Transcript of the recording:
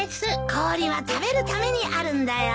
氷は食べるためにあるんだよ。